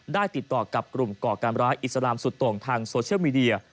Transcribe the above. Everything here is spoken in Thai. ได้ติดต่อกับกลุ่มก่อการร้ายอิสลามสุดโต่งทางโซเชียลมีเดีย